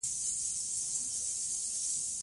زه مهربانه یم.